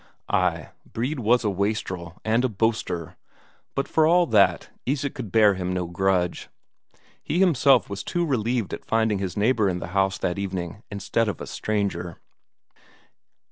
Ay, Brede was a wastrel and a boaster, but for all that Isak could bear him no grudge; he himself was too relieved at finding his neighbour in the house that evening instead of a stranger.